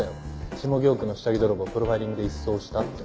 下京区の下着泥棒をプロファイリングで一掃したって。